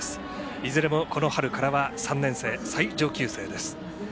いずれも、この春からは３年生、最上級生です。